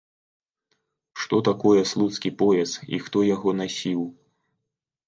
Што такое слуцкі пояс і хто яго насіў?